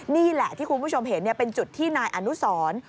นี่แหละที่คุณผู้ชมเห็นเป็นจุดที่นายอนุสร